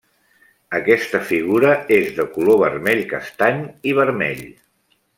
Aquesta figura és de color vermell-castany i vermell.